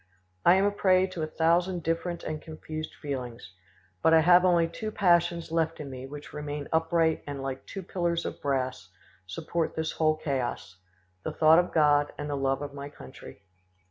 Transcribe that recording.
I am a prey to a thousand different and confused feelings; but I have only two passions left in me which remain upright and like two pillars of brass support this whole chaos—the thought of God and the love of my country."